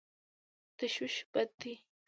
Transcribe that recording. تشویش بد دی.